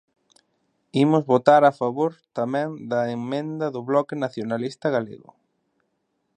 Imos votar a favor tamén da emenda do Bloque Nacionalista Galego.